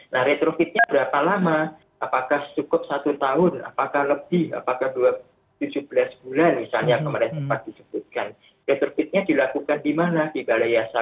nah retrofitnya berapa lama apakah cukup satu tahun apakah lebih apakah dua tujuh belas bulan misalnya kemarin sempat disebutkan retrobitnya dilakukan di mana di balai yasa